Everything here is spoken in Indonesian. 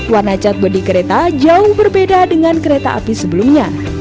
warna cat bodi kereta jauh berbeda dengan kereta api sebelumnya